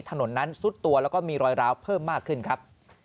ถนนนั้นซุดตัวแล้วก็มีรอยร้าวเพิ่มมากขึ้นครับ